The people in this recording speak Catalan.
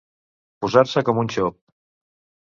Posar-se com un xop.